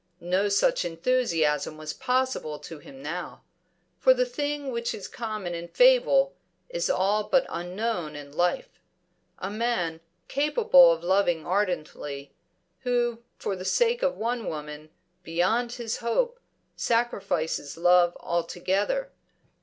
No such enthusiasm was possible to him now. For the thing which is common in fable is all but unknown in life: a man, capable of loving ardently, who for the sake of one woman, beyond his hope, sacrifices love altogether.